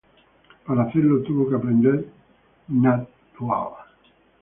Para hacerlo tuvo que aprender náhuatl.